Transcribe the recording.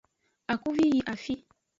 Akuvi yi afi.